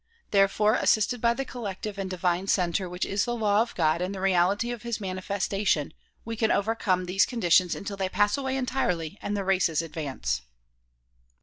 Therefore assisted by the collective and divine center which is the law of God and the reality of his manifestation, we can overcome these con ditions until they pass away entirely and the races advance.